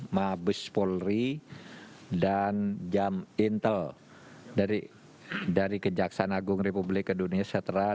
mabes polri dan jam intel dari kejaksaan agung republik indonesia